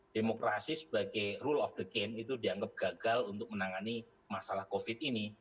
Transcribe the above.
demokrasi sebagai rule of the game itu dianggap gagal untuk menangani masalah covid ini